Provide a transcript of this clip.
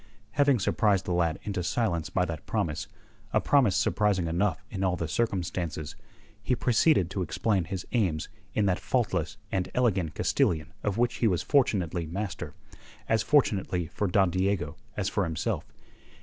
Having surprised the lad into silence by that promise a promise surprising enough in all the circumstances he proceeded to explain his aims in that faultless and elegant Castilian of which he was fortunately master as fortunately for Don Diego as for himself.